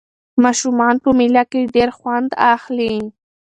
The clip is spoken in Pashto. ماشومان په مېله کې ډېر خوند اخلي.